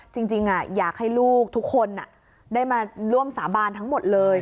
จริงอยากให้ลูกทุกคนได้มาร่วมสาบานทั้งหมดเลย